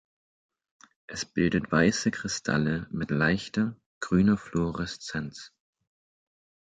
Es bildet weiße Kristalle mit leichter, grüner Fluoreszenz.